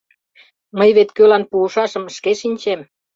— Мый вет кӧлан пуышашым шке шинчем.